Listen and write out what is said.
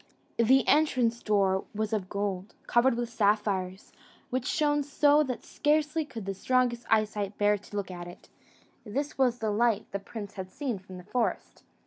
The entrance door was of gold, covered with sapphires, which shone so that scarcely could the strongest eyesight bear to look at it: this was the light the prince had seen from the forest.